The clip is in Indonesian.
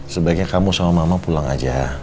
sebaiknya kamu sama mama pulang aja